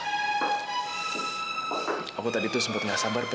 nehme dirityu kamu karena aku udah karir damai